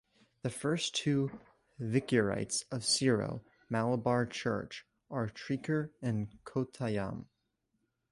The first two Vicariates of Syro Malabar Church are Trichur and Kottayam.